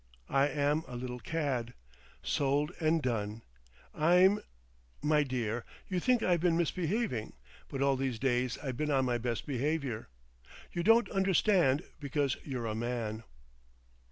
I am a little cad—sold and done. I'm—. My dear, you think I've been misbehaving, but all these days I've been on my best behaviour.... You don't understand, because you're a man.